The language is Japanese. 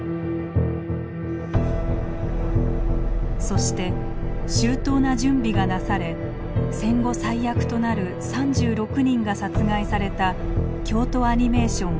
そして周到な準備がなされ戦後最悪となる３６人が殺害された京都アニメーション放火事件。